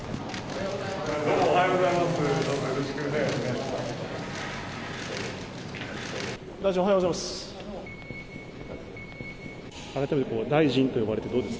おはようございます。